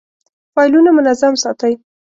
فایلونه منظم ساتئ؟